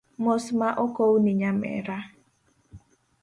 Mos ma okowni nyamera